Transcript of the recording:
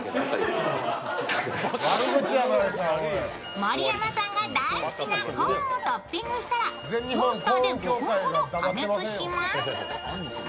盛山さんが大好きなコーンをトッピングしたらトースターで５分ほど加熱します。